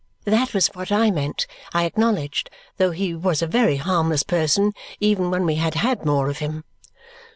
That was what I meant, I acknowledged, though he was a very harmless person, even when we had had more of him.